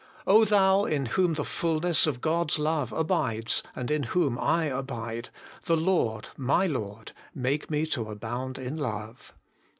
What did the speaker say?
Thou, in whom the fulness of God's love abides, and in whom I abide, the Lord, my Lord, make me to abound in love.